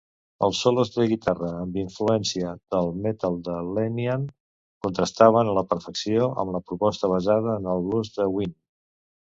Els solos de guitarra amb influència del metal de Lenihan contrastaven a la perfecció amb la proposta basada en el blues de Wynn.